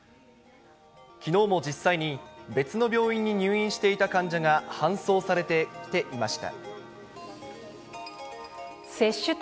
きのうも実際に、別の病院に入院していた患者が搬送されていました。